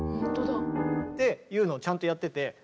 っていうのをちゃんとやってて。